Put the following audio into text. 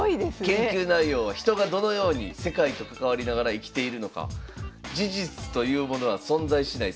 研究内容は人がどのように世界と関わりながら生きているのか。